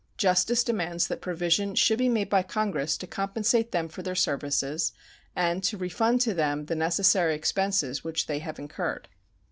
Justice demands that provision should be made by Congress to compensate them for their services and to refund to them the necessary expenses which they have incurred.